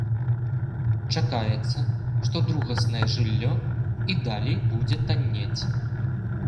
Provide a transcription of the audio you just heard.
Чакаецца, што другаснае жыллё і далей будзе таннець.